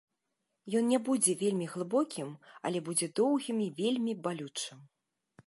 Ён не будзе вельмі глыбокім, але будзе доўгім і вельмі балючым.